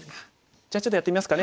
じゃあちょっとやってみますかね。